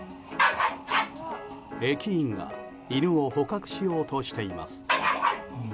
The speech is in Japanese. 駅員が犬を捕獲しようとしています。